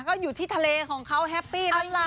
ก็อยู่ที่ทะเลของเขาแฮปปี้นั่นแหละ